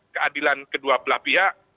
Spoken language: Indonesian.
keadilan kedua belah pihak